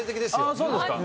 あっそうですか。